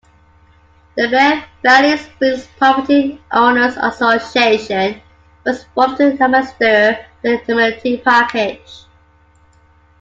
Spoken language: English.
The Bear Valley Springs Property Owners Association was formed to administer the amenity package.